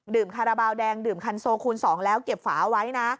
คาราบาลแดงดื่มคันโซคูณ๒แล้วเก็บฝาเอาไว้นะ